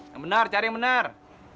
yang benar cari yang benar